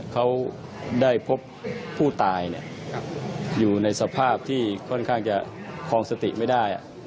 เขาได้พบผู้ตายอยู่ในสภาพที่ค่อนข้างจะคลองสติไม่ได้